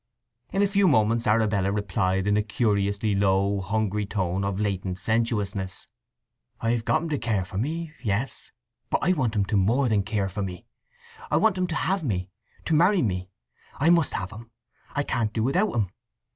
In a few moments Arabella replied in a curiously low, hungry tone of latent sensuousness: "I've got him to care for me: yes! But I want him to more than care for me; I want him to have me—to marry me! I must have him. I can't do without him.